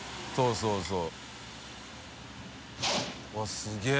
そうそう！